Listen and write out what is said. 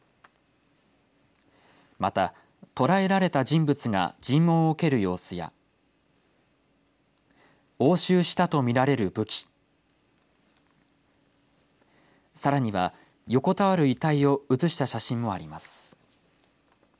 また、捕らえられた人物が尋問を受ける様子や押収したと見られる武器さらには、横たわる遺体を写した写真もあります。